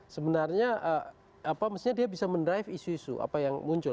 sebenarnya apa maksudnya dia bisa menerai isu isu apa yang muncul